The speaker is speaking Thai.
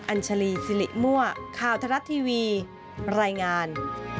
อัญชลีซิริมั่วค่าวทะลัดทีวีรายงาน